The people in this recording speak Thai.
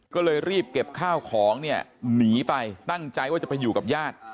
ก็เลยรีบเก็บข้าวของเนี่ยหนีไปตั้งใจว่าจะไปอยู่กับญาติ